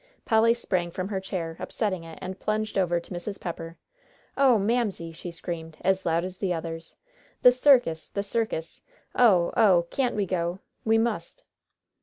Polly sprang from her chair, upsetting it, and plunged over to Mrs. Pepper. "Oh, Mamsie!" she screamed, as loud as the others, "the circus! the circus! Oh, oh! Can't we go? We must!"